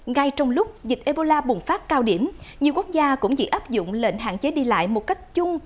ngay trong lúc dịch ebola bùng phát cao điểm nhiều quốc gia cũng chỉ áp dụng lệnh hạn chế đi lại một cách chung